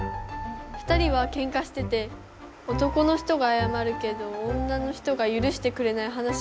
２人はけんかしてて男の人があやまるけど女の人がゆるしてくれない話？